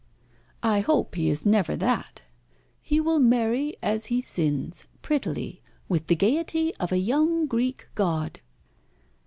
"I hope he is never that. He will marry, as he sins, prettily, with the gaiety of a young Greek god."